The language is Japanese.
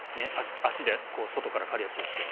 足で外から刈るやつですけど。